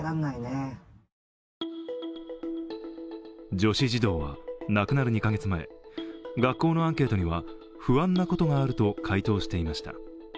女子児童は亡くなる２カ月前、学校のアンケートには不安なことがあると回答していました。